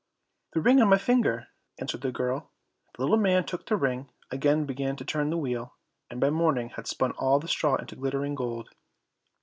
"The ring on my finger," answered the girl. The little man took the ring, again began to turn the wheel, and by morning had spun all the straw into glittering gold.